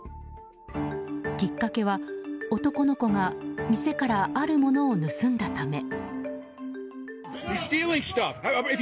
きっかけは男の子が店からあるものを盗んだため。